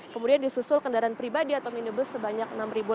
kemudian disusul kendaraan pribadi atau minibus sebanyak enam lima ratus